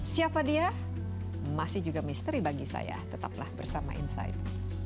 siapa dia masih juga misteri bagi saya tetaplah bersama insight